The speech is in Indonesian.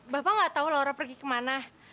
bapak nggak tahu laura pergi ke mana